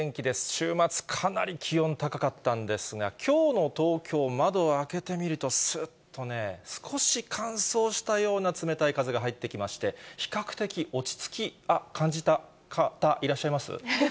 週末、かなり気温高かったんですが、きょうの東京、窓を開けてみると、すっとね、少し乾燥したような冷たい風が入ってきまして、比較的落ち着き、感じた方いらっしゃいます？